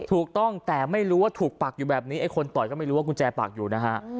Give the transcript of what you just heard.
ถูกต้องแต่ไม่รู้ว่าถูกปักอยู่แบบนี้ไอ้คนต่อยก็ไม่รู้ว่ากุญแจปักอยู่นะฮะ